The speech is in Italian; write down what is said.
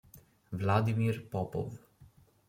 Vladimir Popov